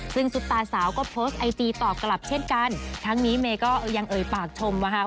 ซึ่งซุปตาสาวก็โพสต์ไอจีตอบกลับเช่นกันทั้งนี้เมย์ก็ยังเอ่ยปากชมนะคะ